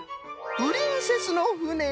「プリンセスのふね」。